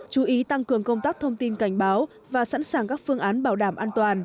chú ý tăng cường công tác thông tin cảnh báo và sẵn sàng các phương án bảo đảm an toàn